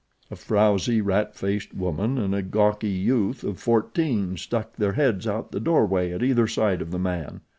A frowsy, rat faced woman and a gawky youth of fourteen stuck their heads out the doorway at either side of the man.